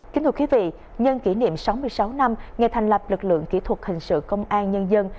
kính thưa quý vị nhân kỷ niệm sáu mươi sáu năm ngày thành lập lực lượng kỹ thuật hình sự công an nhân dân